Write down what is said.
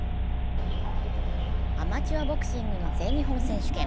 アマチュアボクシングの全日本選手権。